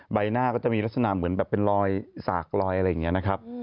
ใบหน้าก็จะมีลักษณะเหมือนแบบเป็นรอยสากลอยอะไรอย่างนี้นะครับ